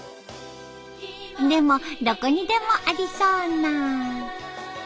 でもどこにでもありそうな。